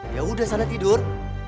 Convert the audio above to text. ya udah sana tidur